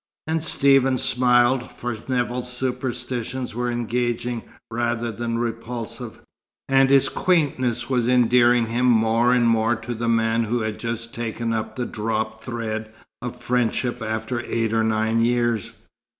And Stephen smiled, for Nevill's superstitions were engaging, rather than repulsive; and his quaintnesses were endearing him more and more to the man who had just taken up the dropped thread of friendship after eight or nine years.